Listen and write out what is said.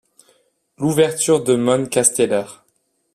L’ouverture de Món Casteller.